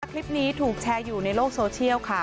คลิปนี้ถูกแชร์อยู่ในโลกโซเชียลค่ะ